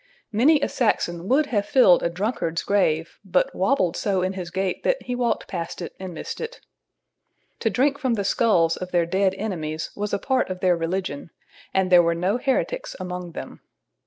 Many a Saxon would have filled a drunkard's grave, but wabbled so in his gait that he walked past it and missed it. [Illustration: THE SAXON IDEA OF HEAVEN.] To drink from the skulls of their dead enemies was a part of their religion, and there were no heretics among them.